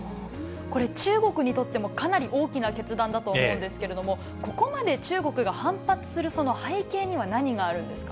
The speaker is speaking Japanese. これ、中国にとっても、かなり大きな決断だと思うんですけれども、ここまで中国が反発する、その背景には何があるんですか。